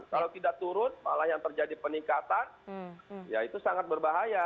kalau tidak turun malah yang terjadi peningkatan ya itu sangat berbahaya